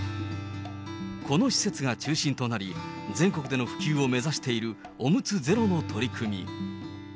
この施設が中心となり、全国での普及を目指しているおむつゼロの取り組み。